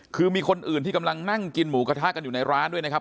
คือมีคนอื่นที่กำลังนั่งกินหมูกระทะกันอยู่ในร้านด้วยนะครับ